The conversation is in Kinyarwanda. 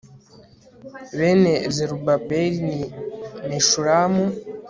bene zerubabeli ni meshulamu